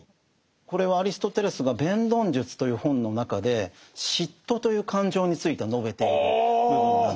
これはアリストテレスが「弁論術」という本の中で嫉妬という感情について述べている部分なんです。